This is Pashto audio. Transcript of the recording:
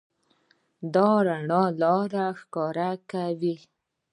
دا رڼا لاره ښکاره کوي.